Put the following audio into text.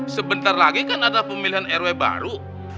sebentar lagi kan ada pemilihan rw baru